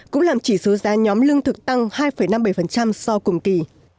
cũng làm chỉ số giá nhóm lương thực tăng hai năm mươi bảy so với cùng kỳ